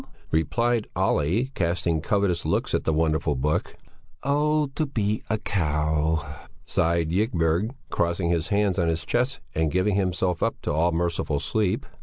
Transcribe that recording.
replied Olle, casting covetous looks at the wonderful book. "Oh! to be a cow!" sighed Ygberg, crossing his hands on his chest and giving himself up to all merciful sleep.